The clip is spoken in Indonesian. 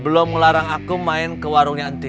belom ngelarang aku main ke warungnya entin